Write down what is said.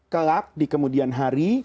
kelap di kemudian hari